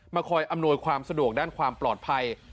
คอยอำนวยความสะดวกด้านความปลอดภัย